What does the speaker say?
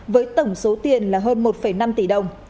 với tổng số tiền là hơn một năm tỷ đồng